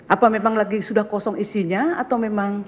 apa memang lagi sudah kosong isinya atau memang